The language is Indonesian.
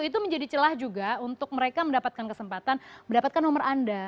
itu menjadi celah juga untuk mereka mendapatkan kesempatan mendapatkan nomor anda